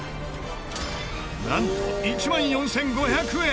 なんと１万４５００円。